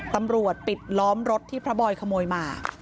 ปิดล้อมรถที่พระบอยขโมยมา